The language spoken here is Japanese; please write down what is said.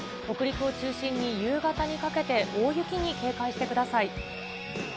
北陸を中心に夕方にかけて大雪に警戒してください。